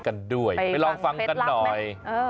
กันด้วยไปลองฟังกันหน่อย